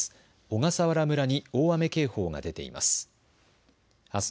小笠原村に大雨警報が出ています。